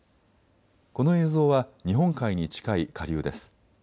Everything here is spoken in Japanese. この映像は日本海に近い下流です。